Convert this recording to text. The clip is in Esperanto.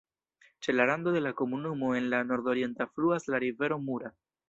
Ĉe la rando de la komunumo en la nordoriento fluas la rivero Mura.